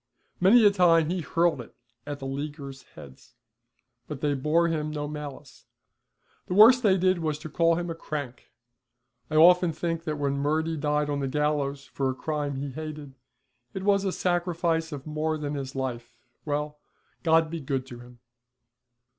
Many a time he hurled it at the Leaguers' heads, but they bore him no malice; the worst they did was to call him a crank. I often think that when Murty died on the gallows for a crime he hated, it was a sacrifice of more than his life. Well, God be good to him!